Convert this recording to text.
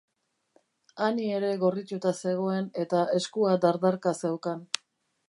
Annie ere gorrituta zegoen eta eskua dardarka zeukan.